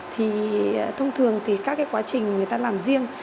thì thông thường các quá trình người ta làm riêng